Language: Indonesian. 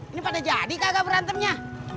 ini pada jadi kagak berantemnya